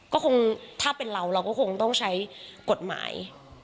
ก็คงถ้าเป็นเราเราก็คงต้องใช้กฎหมาย